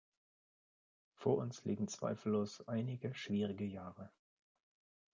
Vor uns liegen zweifellos einige schwierige Jahre.